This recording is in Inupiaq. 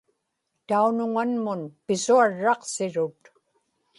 taunuŋanmun pisuarraqsirut